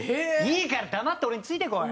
いいからだまって俺についてこい！